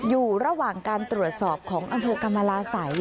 อยู่ระหว่างการตรวจสอบของอำเภอกรรมลาศัย